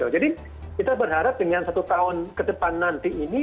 jadi kita berharap dengan satu tahun ke depan nanti ini